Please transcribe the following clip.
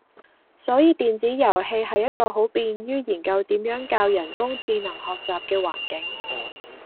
所以電子遊戲係一個好便於研究點樣教人工智能學習嘅環境